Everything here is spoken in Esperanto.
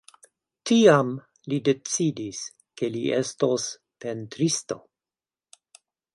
Tiam li decidis, ke li estos pentristo.